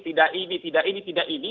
tidak ini tidak ini tidak ini